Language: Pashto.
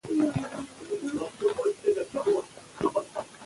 غرونه د افغان ماشومانو د لوبو موضوع ده.